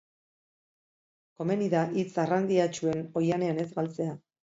Komeni da hitz arrandiatsuen oihanean ez galtzea.